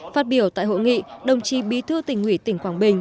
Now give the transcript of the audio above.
phát biểu tại hội nghị đồng chí bí thư tỉnh ủy tỉnh quảng bình